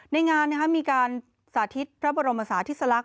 ในงานมีการสาธิตพระบรมศาธิสลักษ